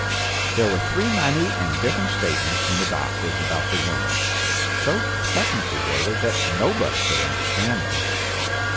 There were three minute and different statements from the doctors about the wounds, so technically worded that nobody could understand them.